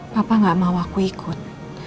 bapak gak mau aku ikut